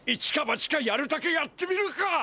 ばちかやるだけやってみるか！